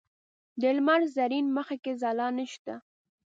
د لمر زرین مخ کې ځلا نشته